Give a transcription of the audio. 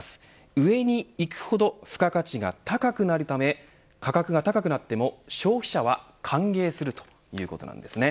上にいくほど付加価値が高くなるため価格が高くなっても消費者は歓迎するということなんですね。